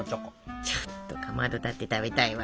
ちょっとかまどだって食べたいわ。